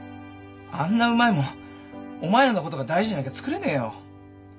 あんなうまい物お前らのことが大事じゃなきゃ作れねえよ。